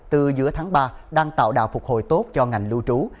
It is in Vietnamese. từ giữa tháng ba đang tạo đà phục hồi tốt cho ngành lưu trú